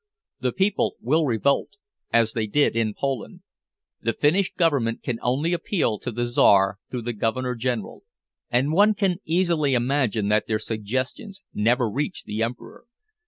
"The people will revolt, as they did in Poland. The Finnish Government can only appeal to the Czar through the Governor General, and one can easily imagine that their suggestions never reach the Emperor.